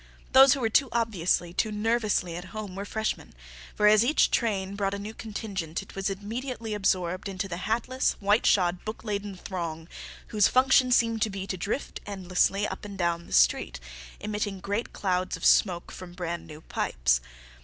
Those who were too obviously, too nervously at home were freshmen, for as each train brought a new contingent it was immediately absorbed into the hatless, white shod, book laden throng, whose function seemed to be to drift endlessly up and down the street, emitting great clouds of smoke from brand new pipes.